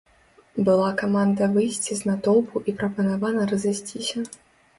Была каманда выйсці з натоўпу і прапанавана разысціся.